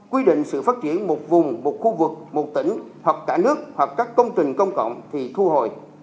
quy định sự phát triển một vùng một khu vực một tỉnh hoặc cả nước hoặc các công trình công cộng thì thu hồi